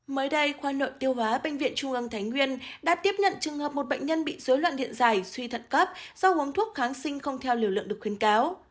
mới đây khoa nội tiêu hóa bệnh viện trung ương thái nguyên đã tiếp nhận trường hợp một bệnh nhân bị dối loạn điện dài suy thận cấp do uống thuốc kháng sinh không theo liều lượng được khuyến cáo